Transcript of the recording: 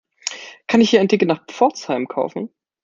Kann ich hier ein Ticket nach Pforzheim kaufen?